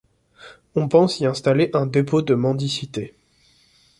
On pense y installer un dépôt de mendicité.